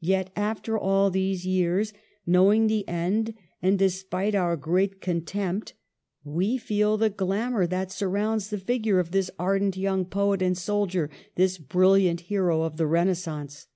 Yet after all these years, knowing the end, and despite our great contempt, we feel the glamour that surrounds THE YOUNG KING AND HIS RIVALS. 35 the figure of this ardent young poet and soldier, this brilliant hero of the Renaissance.